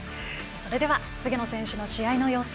それでは菅野選手の試合の様子